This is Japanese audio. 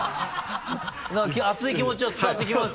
何か熱い気持ちは伝わってきます